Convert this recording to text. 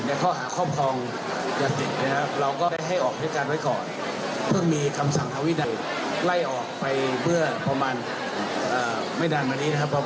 แต่ว่าออกไปแล้วตั้งแต่เดือนให้ออกไปก่อนเดือนมกราศต้นปีเนี้ยครับ